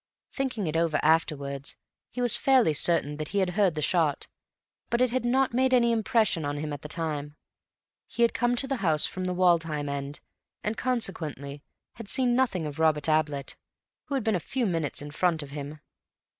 Thinking it over afterwards he was fairly certain that he had heard the shot, but it had not made any impression on him at the time. He had come to the house from the Woodham end and consequently had seen nothing of Robert Ablett, who had been a few minutes in front of him.